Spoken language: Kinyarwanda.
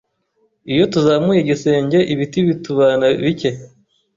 Iyo tuzamuye igisenge ibiti bitubana bicye